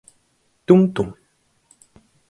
Tuntum